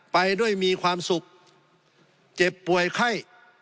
ไปด้วยมีความสุขเจ็บป่วยไข้